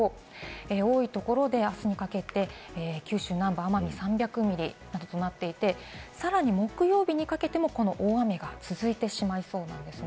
多いところで、あすにかけて九州南部、奄美３００ミリなどとなっていて、さらに木曜日にかけてもこの大雨が続いてしまいそうなんです。